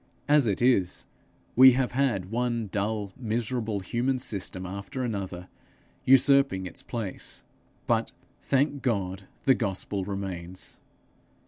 As it is, we have had one dull miserable human system after another usurping its place; but, thank God, the gospel remains!